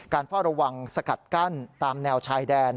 เฝ้าระวังสกัดกั้นตามแนวชายแดน